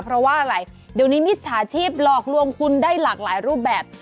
เพราะว่าอ่ะ